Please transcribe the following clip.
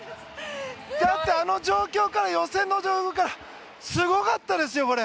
だってあの状況から予選の状況からすごかったですよ、これ！